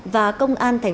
và công an tp dĩ an